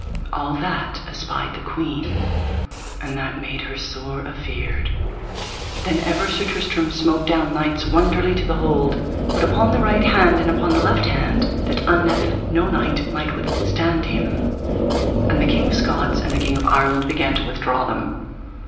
All that espied the queen, and that made her sore afeard. Then ever Sir Tristram smote down knights wonderly to behold, what upon the right hand and upon the left hand, that unnethe no knight might withstand him. And the King of Scots and the King of Ireland began to withdraw them.